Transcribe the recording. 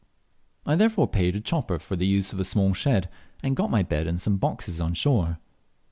I therefore paid a chopper for the use of a small shed, and got my bed and some boxes on shore.